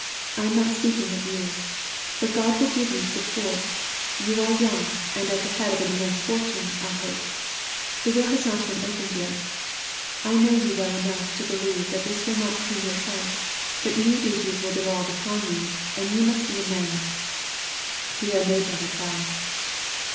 I am not speaking of you. But God will give you support ; you are young, and at the head of an immense fortune, I hope. The will has not been opened yet. I know you well enough to believe that this will not turn your head, but new duties will devolve upon you, and you must be a man." Pierre made no reply.